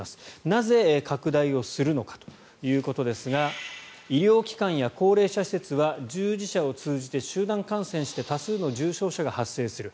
なぜ、拡大をするのかということですが医療機関や高齢者施設は従事者を通じて集団感染して多数の重症者が発生する。